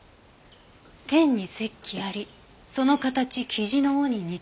「天に赤気ありその形雉の尾に似たり」。